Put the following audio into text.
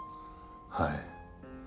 はい。